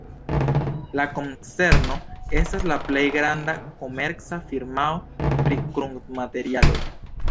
La konzerno estas la plej granda komerca firmao pri krudmaterialoj.